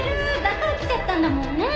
だから来ちゃったんだもんね